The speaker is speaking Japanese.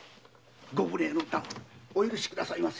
ご無礼の段お許しくださいませ。